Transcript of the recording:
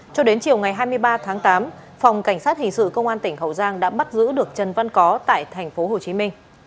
cho đến chiều ngày hai mươi ba tháng tám phòng cảnh sát hình sự công an tỉnh hậu giang đã bắt giữ được trần văn có tại tp hcm